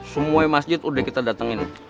semua masjid udah kita datengin